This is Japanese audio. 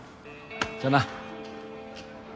じゃあな。